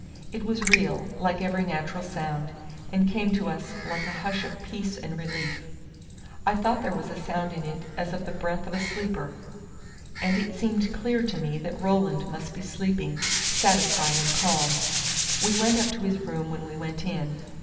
It was real, like every natural sound, and came to us like a hush of peace and relief. I thought there was a sound in it as of the breath of a sleeper, and it seemed clear to me that Roland must be sleeping, satisfied and calm. We went up to his room when we went in.